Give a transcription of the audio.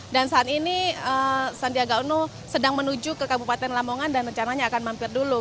dan saat ini sandiaga uno sedang menuju ke kabupaten lamongan dan rencananya akan mampir dulu